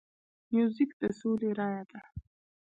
موزیک د سولې رایه ده.